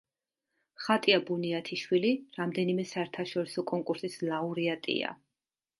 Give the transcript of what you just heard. ხატია ბუნიათიშვილი რამდენიმე საერთაშორისო კონკურსის ლაურეატია.